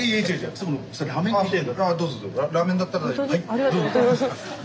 ありがとうございます。